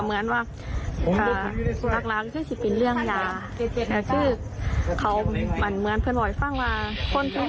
อะเหมือนว่าก็รักรากสิทธิ์เป็นเรื่องยาก็คือเขาเป็นเหมือนเพื่อนบอกให้ฟังว่าคนพิเศษนะ